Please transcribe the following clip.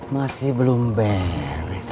masih belum beres